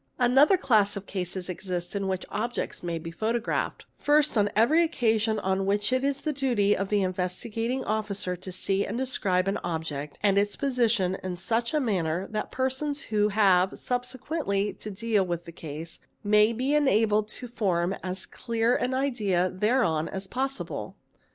Another class of cases exists in which objects may be photographed ; first, on every occasion on which it is the duty of the Investigating Officer to see and describe an object and its position in such a manner _ that persons who have subsequently to deal with the case may be enabled ' to form as clear an idea thereon as possible.